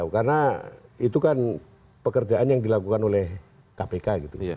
karena itu kan pekerjaan yang dilakukan oleh kpk gitu